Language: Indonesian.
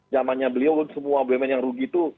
zamannya beliau semua bumn yang rugi itu